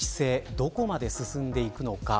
どこまで進んでいくのか。